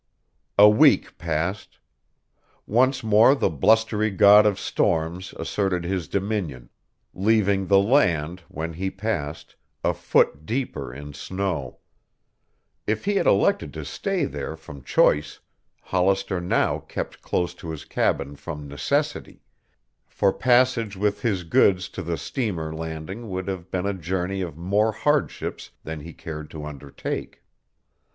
A week passed. Once more the blustery god of storms asserted his dominion, leaving the land, when he passed, a foot deeper in snow. If he had elected to stay there from choice, Hollister now kept close to his cabin from necessity, for passage with his goods to the steamer landing would have been a journey of more hardships than he cared to undertake.